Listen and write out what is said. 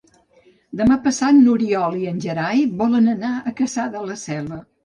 Demà passat n'Oriol i en Gerai volen anar a Cassà de la Selva.